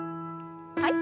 はい。